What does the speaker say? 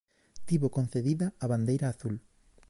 Tivo concedida a Bandeira Azul.